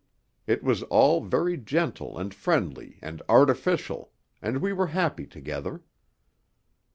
It was all very gentle and friendly and artificial, and we were happy together.